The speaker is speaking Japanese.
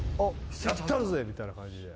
やったるぜみたいな感じで。